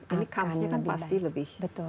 ini karsnya kan pasti lebih